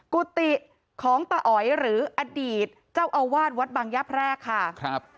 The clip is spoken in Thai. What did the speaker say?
กุฏิของต่ออยหรืออดีตเจ้าอาวาสวรรค์บางยพแรกค่ะ